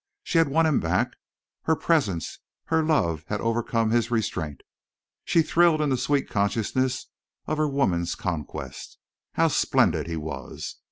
She had won him back. Her presence, her love had overcome his restraint. She thrilled in the sweet consciousness of her woman's conquest. How splendid he was!